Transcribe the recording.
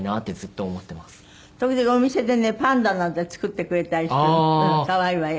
時々お店でねパンダなんて作ってくれたりしてね可愛いわよ。